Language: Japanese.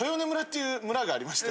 いう村がありまして